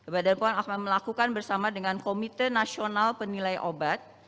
badan pom akan melakukan bersama dengan komite nasional penilai obat